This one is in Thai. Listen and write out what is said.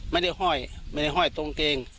ไม่ได้ห้อยตรงเกง